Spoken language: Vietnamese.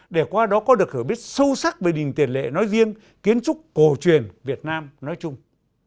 để qua đó có được hiểu biết sâu sắc về đình tiền lệ nói riêng kiến trúc cổ truyền việt nam nói chung